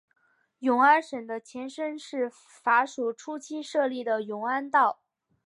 永安省的前身是法属初期设立的永安道。